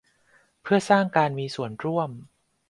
เพื่อสร้างการมีส่วนร่วม